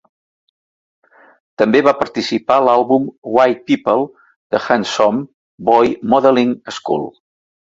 També va participar a l'àlbum "White People" de Handsome Boy Modeling School.